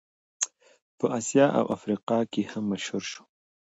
په اسیا او افریقا کې هم مشهور شو.